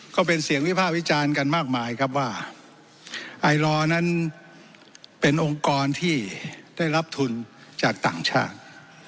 ก็เป็นเสียงวิพากษ์วิจารณ์กันมากมายครับว่าไอลอร์นั้นเป็นองค์กรที่ได้รับทุนจากต่างชาติ